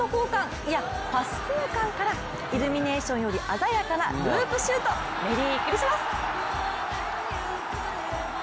いやパス交換からイルミネーションより鮮やかなループシュート、メリークリスマス！